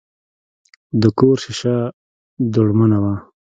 د کور شیشه دوړمنه وه.